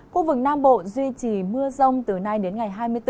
khu vực nam bộ duy trì mưa rông từ nay đến ngày hai mươi bốn